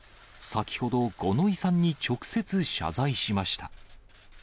先ほど五ノ井さんに直接謝罪しました。